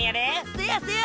せやせや。